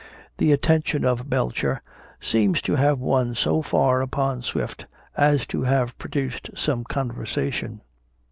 The attention of Belcher seems to have won so far upon Swift as to have produced some conversation.